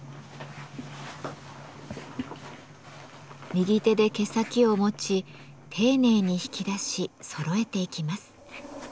右手で毛先を持ち丁寧に引き出し揃えていきます。